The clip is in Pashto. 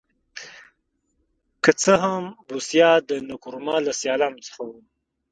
که څه هم بوسیا د نکرومه له سیالانو څخه و.